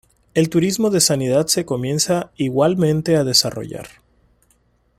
El turismo de sanidad se comienza igualmente a desarrollar.